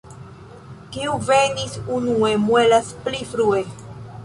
Kiu venis unue, muelas pli frue.